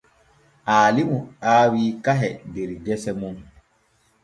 Aalimu aawi kahe der gese mun.